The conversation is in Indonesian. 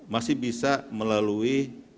masih bisa melalui